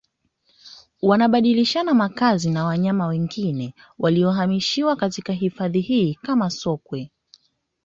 wanabadilishana makazi na wanyama wengine waliohamishiwa katika hifadhi hii kama Sokwe